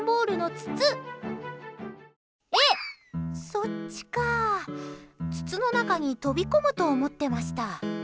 筒の中に飛び込むと思ってました。